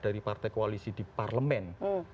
dari partai koalisi di parlemen